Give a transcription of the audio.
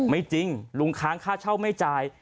จริงลุงค้างค่าเช่าไม่จ่าย